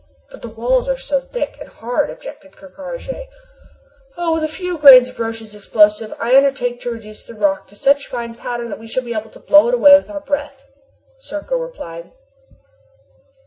"But the walls are so thick and hard," objected Ker Karraje. "Oh, with a few grains of Roch's explosive I undertake to reduce the rock to such fine powder that we shall be able to blow it away with our breath," Serko replied.